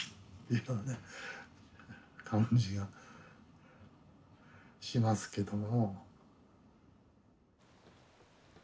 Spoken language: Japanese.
感じがしますけども。